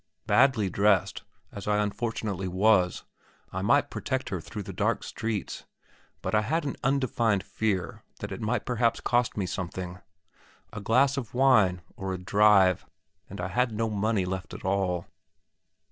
Badly dressed, as I unfortunately was, I might protect her through the dark streets; but I had an undefined fear that it perhaps might cost me something; a glass of wine, or a drive, and I had no money left at all.